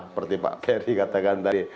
seperti pak ferry katakan tadi